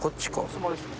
そこですね